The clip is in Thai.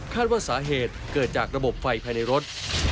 ว่าสาเหตุเกิดจากระบบไฟภายในรถ